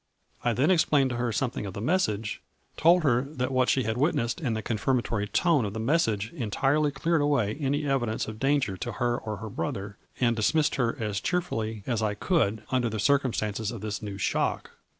" I then explained to her something of the message, told her that what she had witnessed and the confirmatory tone of the message, en tirely cleared away any evidence of danger to her or her brother, and dismissed her as cheer fully as I could, under the circumstances of this new shock.